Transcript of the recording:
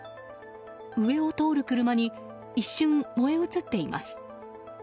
上を通る車に一瞬燃え移っています。